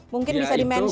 mungkin bisa di mention